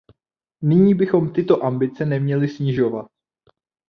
Nyní bychom tyto ambice neměli snižovat.